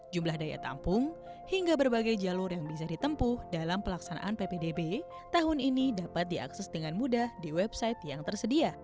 jumlah daya tampung hingga berbagai jalur yang bisa ditempuh dalam pelaksanaan ppdb tahun ini dapat diakses dengan mudah di website yang tersedia